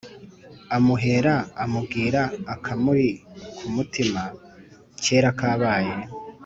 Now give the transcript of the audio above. amuhera amubwira akamuri kumutima kera kabaye